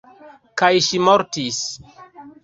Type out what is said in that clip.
Kaj ŝi mortis.